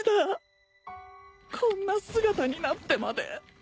こんな姿になってまで